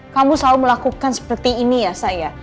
kamu selalu melakukan seperti ini ya saya